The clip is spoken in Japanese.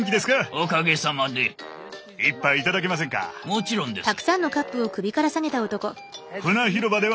もちろんです。